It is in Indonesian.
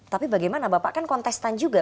tapi bagaimana bapak kan kontestan juga